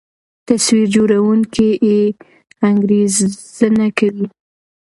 تصویر جوړوونکی اې ای انګېرنه کوي.